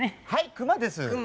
クマです。